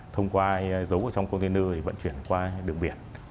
thông qua dấu ở trong container thì vận chuyển qua đường biển